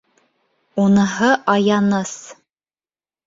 Уныһы аяныс.